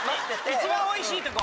一番おいしいとこ。